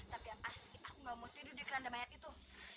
tapi aku nggak mau tidur di keranda mayat itu